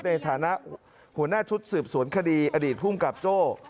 ในฐานะหัวหน้าชุดสืบสวนคดีอดีตภูมิกับโจ้